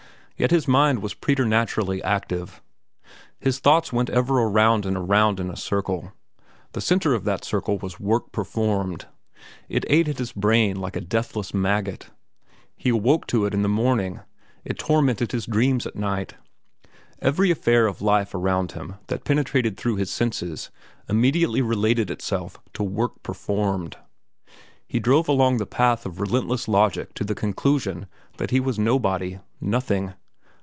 Yet his mind was preternaturally active. His thoughts went ever around and around in a circle. The centre of that circle was "work performed"; it ate at his brain like a deathless maggot. He awoke to it in the morning. It tormented his dreams at night. Every affair of life around him that penetrated through his senses immediately related itself to "work performed." He drove along the path of relentless logic to the conclusion that he was nobody, nothing.